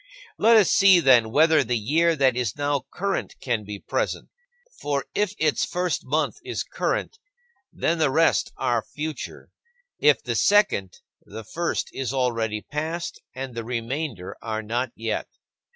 Let us see, then, whether the year that is now current can be present. For if its first month is current, then the rest are future; if the second, the first is already past, and the remainder are not yet.